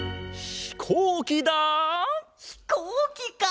ひこうきか！